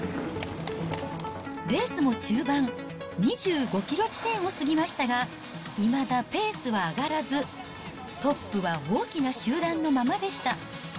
レースも中盤、２５キロ地点を過ぎましたが、いまだペースは上がらず、トップは大きな集団のままでした。